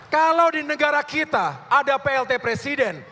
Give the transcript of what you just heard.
kalau di negara kita ada plt presiden